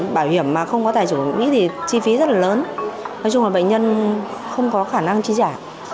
bảo hiểm mà không có tài chủ nghĩ thì chi phí rất là lớn nói chung là bệnh nhân không có khả năng chi trả